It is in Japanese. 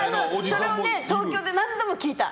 それは東京で何度も聞いた。